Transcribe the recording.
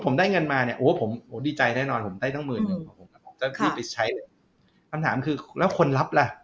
มีความใจในระบบหรือเปล่า